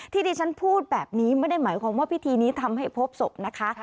ที่ดิฉันพูดแบบนี้ไม่ได้หมายความว่าพิธีนี้ทำให้พบศพนะคะ